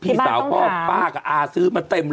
พี่สาวพ่อป้ากับอาซื้อมาเต็มเลย